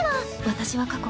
私は過去。